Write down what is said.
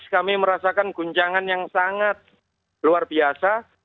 kami merasakan guncangan yang sangat luar biasa